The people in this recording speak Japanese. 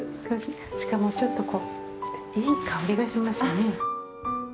しかも、ちょっとこういい香りがしますね。